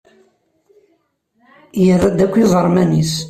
Yerra-d akk iẓerman-is.